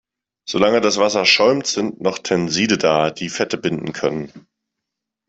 Solange das Wasser schäumt, sind noch Tenside da, die Fette binden können.